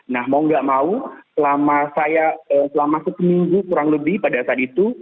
nah mau nggak mau selama saya selama sepeminggu kurang lebih pada saat itu